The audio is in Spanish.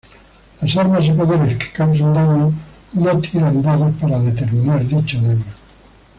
Las armas y poderes que causan daño no tiran dados para determinar dicho daño.